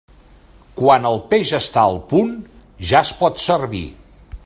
Quan el peix està al punt, ja es pot servir.